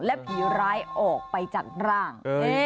และผีร้ายออกไปจากร่าง